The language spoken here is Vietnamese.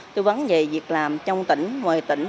tư vấn về việc làm trong tỉnh ngoài tỉnh